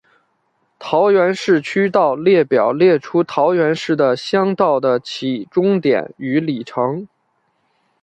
桃园市区道列表列出桃园市的乡道的起终点与里程。